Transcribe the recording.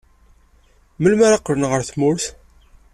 Melmi ara qqlen ɣer tmurt?